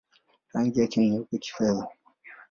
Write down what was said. Rangi yake ni nyeupe-kifedha.